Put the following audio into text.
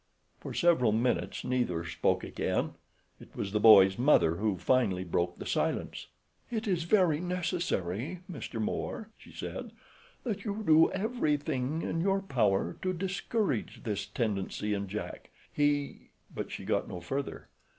For several minutes neither spoke again. It was the boy's mother who finally broke the silence. "It is very necessary, Mr. Moore," she said, "that you do everything in your power to discourage this tendency in Jack, he—"; but she got no further.